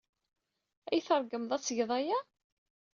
Ad iyi-tṛeggmed ad tged aya?